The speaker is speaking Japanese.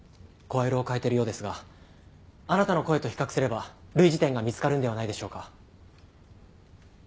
声色を変えてるようですがあなたの声と比較すれば類似点が見つかるんではないでしょうか。